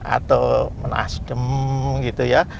atau menasdem gitu ya